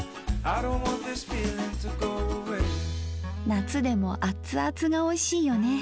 夏でもアツアツがおいしいよね